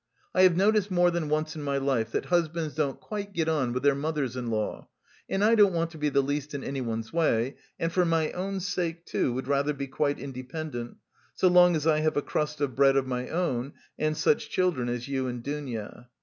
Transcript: I have noticed more than once in my life that husbands don't quite get on with their mothers in law, and I don't want to be the least bit in anyone's way, and for my own sake, too, would rather be quite independent, so long as I have a crust of bread of my own, and such children as you and Dounia.